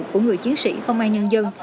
của người chiến sĩ công an nhân dân